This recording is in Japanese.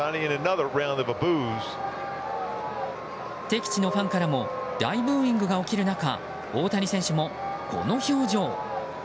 敵地のファンからも大ブーイングが起きる中大谷選手もこの表情。